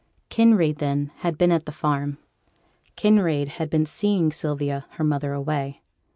Kinraid, then, had been at the farm: Kinraid had been seeing Sylvia, her mother away.